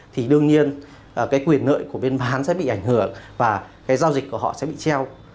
thì đương nhiên cái quyền nợ của bên bán sẽ bị ảnh hưởng và cái giao dịch của họ sẽ bị treo